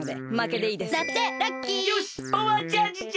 よしパワーチャージじゃ！